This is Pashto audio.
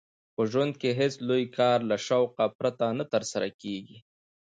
په ژوند کښي هېڅ لوى کار له شوقه پرته نه ترسره کېږي.